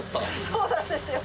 そうなんですよ。